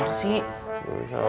ini selalu yuri ya gimana